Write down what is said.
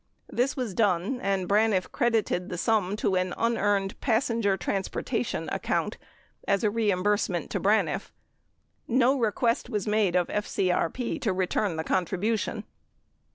56 This was done and Braniff credited the sum to an unearned passenger transportation account as reimbursement to Braniff. No request was made of FCRP to return the contribution.